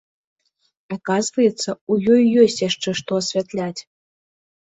Аказваецца, у ёй ёсць яшчэ што асвятляць.